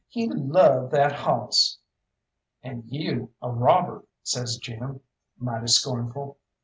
He loved that hawss." "And you a robber!" says Jim, mighty scornful.